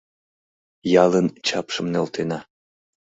Ялын чапшым нӧлтена.